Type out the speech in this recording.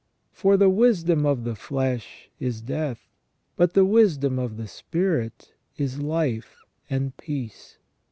For the wisdom of the flesh is death, but the wisdom of the spirit is life and peace.